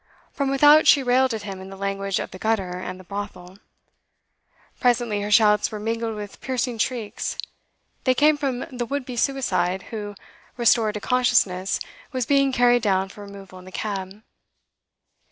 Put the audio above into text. From without she railed at him in the language of the gutter and the brothel. Presently her shouts were mingled with piercing shrieks; they came from the would be suicide, who, restored to consciousness, was being carried down for removal in the cab.